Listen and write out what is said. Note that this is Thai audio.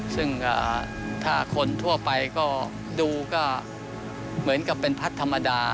ซึ่งถ้าคนทั่วไปก็ดูก็เหมือนกับเป็นพัดธรรมดา